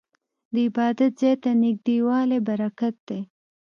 د عبادت ځای ته نږدې والی برکت دی.